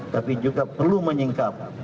tapi juga perlu menyingkap